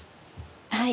はい。